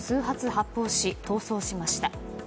発砲し逃走しました。